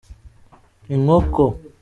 inkoko.